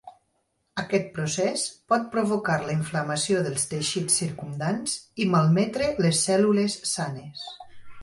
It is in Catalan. Aquest procés pot provocar la inflamació dels teixits circumdants i malmetre les cèl·lules sanes.